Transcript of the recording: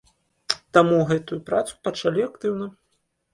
Таму гэтую працу пачалі актыўна.